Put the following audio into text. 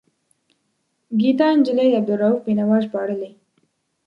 ګیتا نجلي عبدالرؤف بینوا ژباړلی.